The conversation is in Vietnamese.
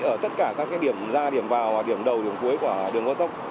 ở tất cả các điểm ra điểm vào điểm đầu điểm cuối của đường cao tốc